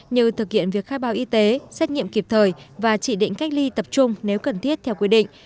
như thực hiện việc khai báo y tế xét nghiệm kịp thời và chỉ định cách ly tập trung nếu cần thiết theo quy định